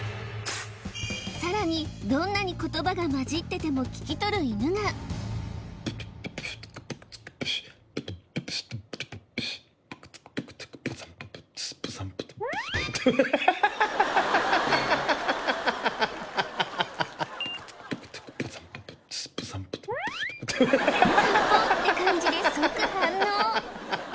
さらにどんなに言葉がまじってても聞き取る犬が・ハハハハハハさんぽ？って感じで即反応